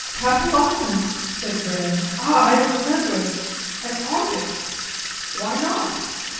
"Capillotomist," said Graham. "Ah! I remember. An artist! Why not?"